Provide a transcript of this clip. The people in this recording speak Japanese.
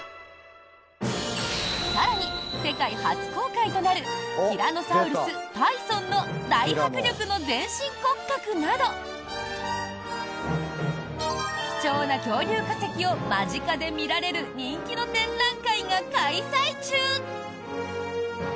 更に、世界初公開となるティラノサウルス、タイソンの大迫力の全身骨格など貴重な恐竜化石を間近で見られる人気の展覧会が開催中。